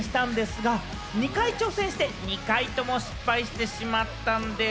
早速みんなでゲームを体験したんですが、２回挑戦して、２回とも失敗してしまったんです。